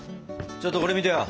ちょっとこれ見てよ！